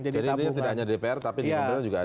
jadi ini tidak hanya dpr tapi di dpr juga ada